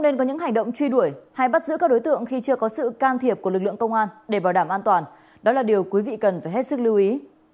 để bảo đảm an toàn đó là điều quý vị cần phải hết sức lưu ý